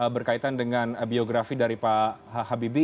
berkaitan dengan biografi dari pak habibie